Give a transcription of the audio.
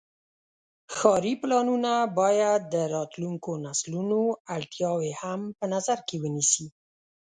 ښاري پلانونه باید د راتلونکو نسلونو اړتیاوې هم په نظر کې ونیسي.